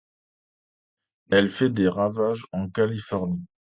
Elle fait des ravages en Californie.